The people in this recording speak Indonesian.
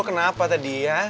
lo kenapa tadi ya